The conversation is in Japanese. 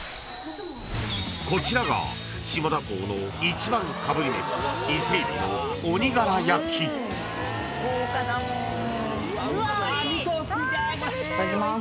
［こちらが下田港の１番かぶり飯］いただきます。